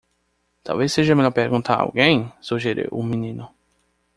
"Talvez seja melhor perguntar a alguém?" sugeriu o menino.